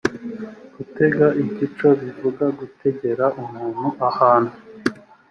gutega igico bivuga gutegera umuntu ahantu.